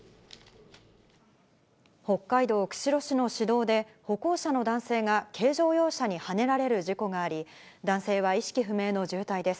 北海道釧路市の市道で、歩行者の男性が軽乗用車にはねられる事故があり、男性は意識不明の重体です。